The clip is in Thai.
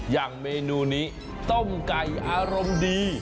อย่างเมนูนี้ต้มไก่อารมณ์ดี